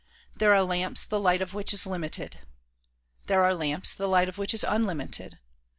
There are lamps the light of which is limited. There are lamps the light of which is unlimited.